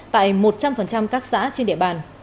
tại một trăm linh các xã trên địa bàn